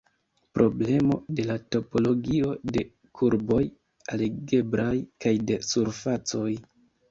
Problemo de la topologio de kurboj algebraj kaj de surfacoj.